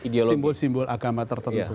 simbol simbol agama tertentu